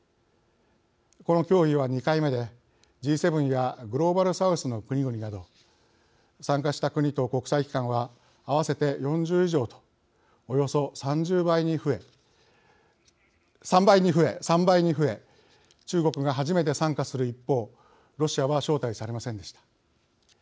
この協議は、２回目でＧ７やグローバル・サウスの国々など参加した国と国際機関は合わせて４０以上とおよそ３０倍に増えおよそ３倍に増え中国が初めて参加する一方ロシアは招待されませんでした。